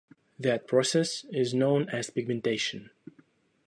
That process is known as pigmentation.